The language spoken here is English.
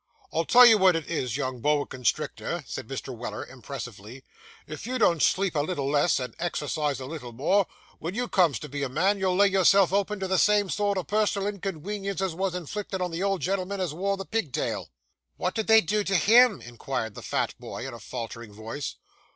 'I'll tell you what it is, young boa constructer,' said Mr. Weller impressively; 'if you don't sleep a little less, and exercise a little more, wen you comes to be a man you'll lay yourself open to the same sort of personal inconwenience as was inflicted on the old gen'l'm'n as wore the pigtail.' 'What did they do to him?' inquired the fat boy, in a faltering voice.